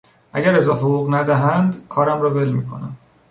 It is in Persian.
اگر اضافه حقوق ندهند کارم را ول میکنم.